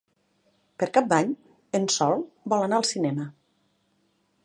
Per Cap d'Any en Sol vol anar al cinema.